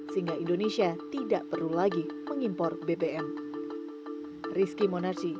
sehingga indonesia tidak perlu lagi mengimpor bbm